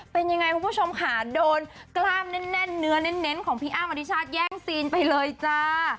เป็นยังไงคุณผู้ชมค่ะโดนกล้ามแน่นเนื้อเน้นของพี่อ้ำอธิชาติแย่งซีนไปเลยจ้า